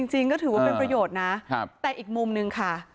จริงก็ถือว่าเป็นประโยชน์นะแต่อีกมุมนึงค่ะ